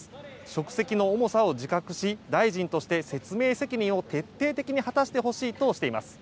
職責の重さを自覚し大臣として説明責任を徹底的に果たしてほしいとしています。